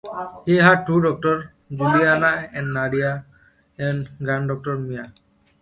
He had two daughters, Julianna and Nadia, and a granddaughter, Mia.